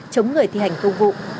chống người thi hành công vụ